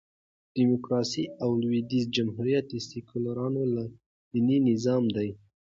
ډيموکراسي او لوېدیځ جمهوریت د سیکولرانو لا دینه نظام دئ.